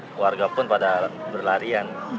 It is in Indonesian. keluarga pun pada berlarian